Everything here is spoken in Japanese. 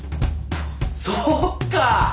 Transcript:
そうか！